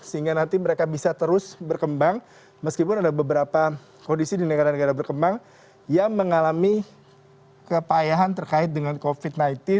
sehingga nanti mereka bisa terus berkembang meskipun ada beberapa kondisi di negara negara berkembang yang mengalami kepayahan terkait dengan covid sembilan belas